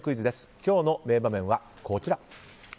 今日の名場面はこちら。